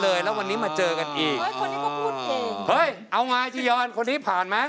เอาไงจริยอนคนนี้ผ่านมั้ย